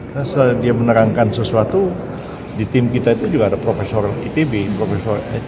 nah setelah dia menerangkan sesuatu di tim kita itu juga ada profesor itb profesor